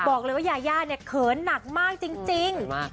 บอกเลยว่ายาย่าเนี้ยเขินหนักมากจริงจริงอืมเขินมาก